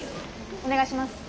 お願いします。